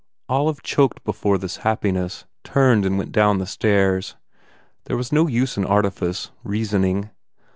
Olive choked before this happiness, turned and went down the stairs. There was no use in artifice, reasoning.